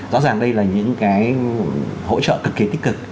rõ ràng đây là những cái hỗ trợ cực kỳ tích cực